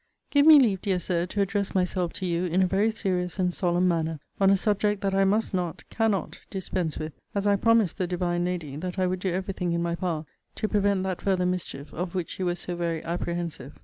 Give me leave, dear Sir, to address myself to you in a very serious and solemn manner, on a subject that I must not, cannot, dispense with; as I promised the divine lady that I would do every thing in my power to prevent that further mischief of which she was so very apprehensive.